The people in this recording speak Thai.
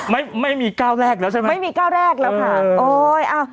ไม่มีก้าวแรกแล้วใช่ไหมไม่มีก้าวแรกแล้วค่ะโอ้ยอ้าว